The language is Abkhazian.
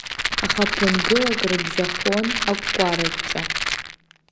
Аха ԥынгылак рыбжьахон акәараҷҷа.